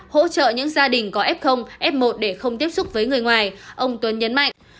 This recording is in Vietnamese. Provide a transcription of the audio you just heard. hỗ trợ những gia đình có f f một để không tiếp xúc với người ngoài ông tuấn nhấn mạnh